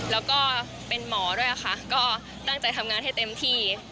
แล้วก็เป็นหมอด้วยค่ะก็ตั้งใจทำงานให้เต็มที่